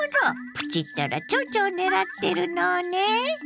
プチったらちょうちょを狙ってるのね。